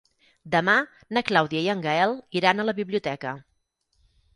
Demà na Clàudia i en Gaël iran a la biblioteca.